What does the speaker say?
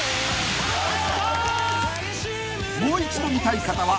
［もう一度見たい方は］